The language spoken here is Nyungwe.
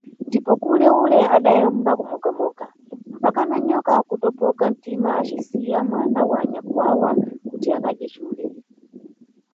Ndipo cule ule adayamba kumogamoga, mpakana nyoka kutopoka ntima acisiya mwana wa nyakwawa kuti akadye cule.